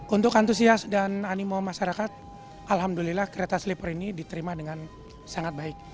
untuk antusias dan animo masyarakat alhamdulillah kereta sleeper ini diterima dengan sangat baik